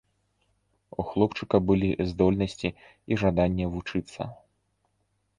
У хлопчыка былі здольнасці і жаданне вучыцца.